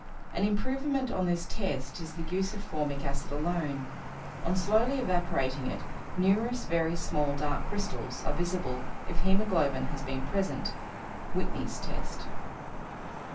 An improvement on this test is the use of formic acid alone; on slowly evaporating it, numerous very small dark crystals are visible if hæmoglobin has been present (Whitney's test).